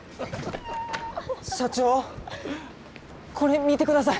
社長これ見てください。